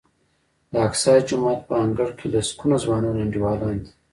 د اقصی جومات په انګړ کې لسګونه ځوانان انډیوالان دي.